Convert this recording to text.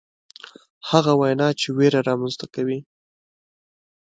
هغه وینا چې ویره رامنځته کوي.